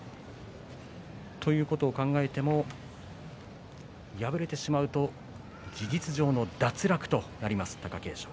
ということを考えても敗れてしまうと事実上の脱落となります貴景勝。